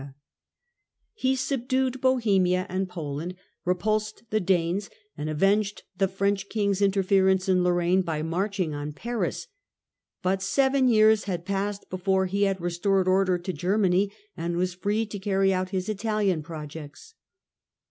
THE SAXON EMPERORS 17 He subdued Bohemia and Poland, repulsed the Danes, and avenged the French king's interference in Lorraine by marching on Paris. But seven years had passed before he had restored order to Germany, and was free to carry out his Italian projects.